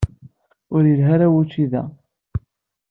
Ur yelha ara wučči da.